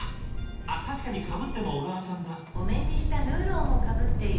あっ確かにかぶっても小川さんだ。